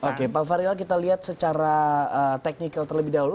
oke pak farial kita lihat secara teknikal terlebih dahulu